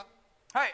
はい。